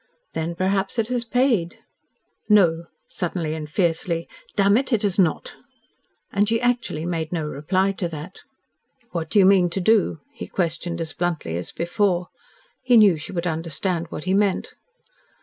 "Then perhaps it has paid." "No," suddenly and fiercely, "damn it, it has not!" And she actually made no reply to that. "What do you mean to do?" he questioned as bluntly as before. He knew she would understand what he meant.